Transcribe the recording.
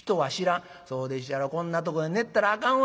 「そうでっしゃろこんなとこで寝てたらあかんわ。ね？